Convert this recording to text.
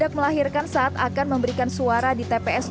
pesan ini sembilan sepuluh sebelas dua belas